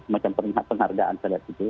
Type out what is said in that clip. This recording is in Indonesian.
semacam penghargaan saya lihat itu